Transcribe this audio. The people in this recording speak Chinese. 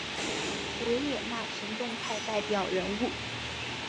维也纳行动派代表人物。